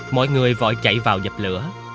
mọi người vội chạy vào dập lửa